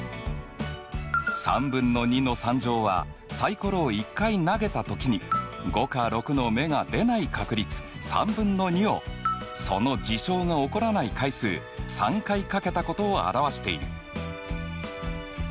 ３分の２の３乗はサイコロを１回投げたときに５か６の目が出ない確率３分の２をその事象が起こらない回数３回掛けたことを表している。